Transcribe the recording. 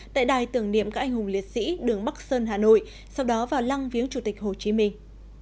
tại đài tưởng niệm các anh hùng liệt sĩ đường bắc sơn hà nội sau đó vào lăng viếng chủ tịch hồ chí minh